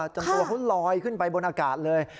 จนตัวเขาลอยขึ้นไปบนอากาศเลย